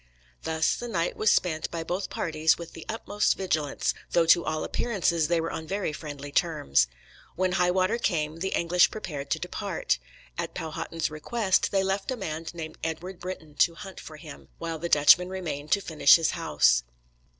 Thus the night was spent by both parties with the utmost vigilance, though to all appearances they were on very friendly terms. When high water came the English prepared to depart. At Powhatan's request they left a man named Edward Brynton to hunt for him, while the Dutchmen remained to finish his house.